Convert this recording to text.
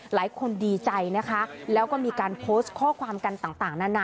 หลายคนดีใจนะคะแล้วก็มีการโพสต์ข้อความกันต่างนานา